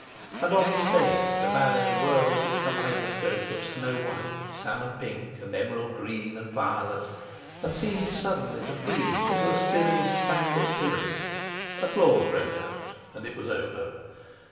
And on the stage the ballet whirled its kaleidoscope of snow white, salmon pink, and emerald green and violet and seemed suddenly to freeze into a stilly spangled pyramid. Applause broke out, and it was over!